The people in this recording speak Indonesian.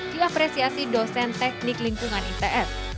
diapresiasi dosen teknik lingkungan its